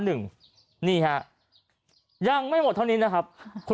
นี่ฮะยังไม่หมดเท่านี้นะครับคุณ